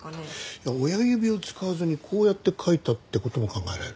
いや親指を使わずにこうやって書いたって事も考えられる。